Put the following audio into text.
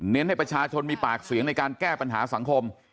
ให้ประชาชนมีปากเสียงในการแก้ปัญหาสังคม